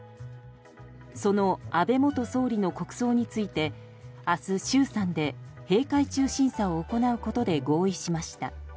その安倍元総理の国葬について明日、衆参で閉会中審査を行うことで合意しました。